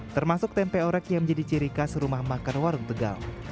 termasuk tempe orek yang menjadi ciri khas rumah makan warung tegal